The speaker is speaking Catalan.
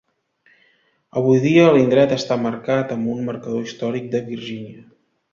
Avui dia, l'indret està marcat amb un Marcador Històric de Virgínia.